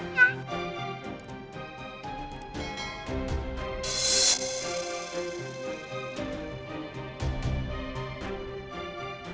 kalau bisa muncul